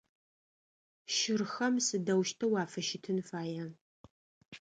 Щырхэм сыдэущтэу уафыщытын фая?